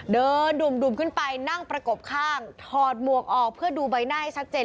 ดุ่มขึ้นไปนั่งประกบข้างถอดหมวกออกเพื่อดูใบหน้าให้ชัดเจน